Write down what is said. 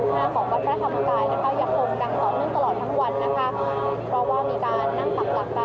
หลังจากพิธีการประกาศเป็นภูมิที่ควบคุมจากฝั่งศักดิ์เหนือหน้าคอสชค่ะ